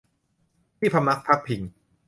ที่พำนักพักพิง